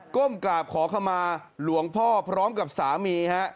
้มกราบขอขมาหลวงพ่อพร้อมกับสามีฮะ